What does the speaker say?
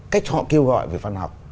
cách họ kêu gọi về phân học